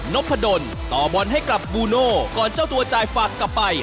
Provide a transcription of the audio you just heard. พะดลต่อบอลให้กับบูโน่ก่อนเจ้าตัวจ่ายฝากกลับไป